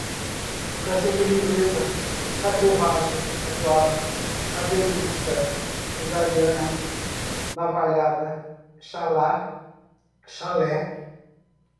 casimira inglesa, catrevage, catuaba, caveirista, cesariana, navalhada, chalar, chalé